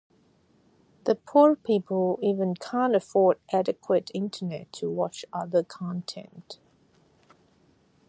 The poor people even can’t afford adequate internet to watch other content.